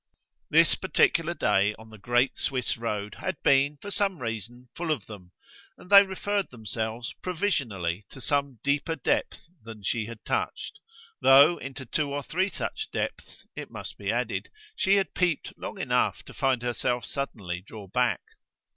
This particular day on the great Swiss road had been, for some reason, full of them, and they referred themselves, provisionally, to some deeper depth than she had touched though into two or three such depths, it must be added, she had peeped long enough to find herself suddenly draw back.